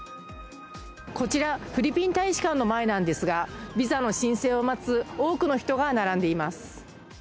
こちら、フィリピン大使館の前なんですがビザの申請を待つ多くの人が並んでいます。